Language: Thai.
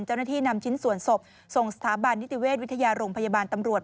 เจ้าหน้าที่นำชิ้นส่วนศพส่งสถาบันนิติเวชวิทยาโรงพยาบาลตำรวจ